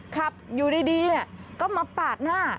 ขับอยู่ดีก็มาปาดหน้า